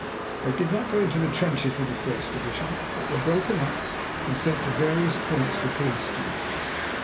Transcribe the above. They did not go into the trenches with the first division, but were broken up and sent to various points for police duty.